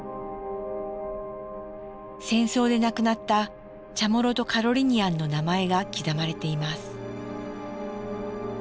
戦争で亡くなったチャモロとカロリニアンの名前が刻まれています。